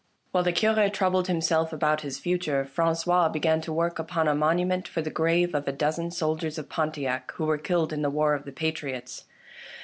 While the Cure troubled himself about his future, Francois began to work upon a monument for the grave of a dozen soldiers of Pontiac who were killed in the War of the Patriots.